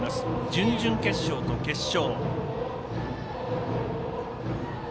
準々決勝と決勝。